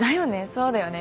「そうだよね」